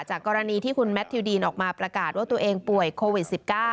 กรณีที่คุณแมททิวดีนออกมาประกาศว่าตัวเองป่วยโควิด๑๙